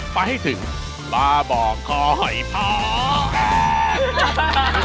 ป้าให้ถึงป้าบอกขอหอยพอ